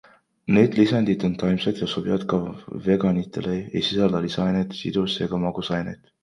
Need lisandid on taimsed ja sobivad ka veganitele, ei sisalda lisaaineid, sidus- ega magusaineid.